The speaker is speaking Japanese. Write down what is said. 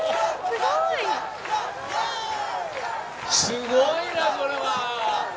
すごいな、これは。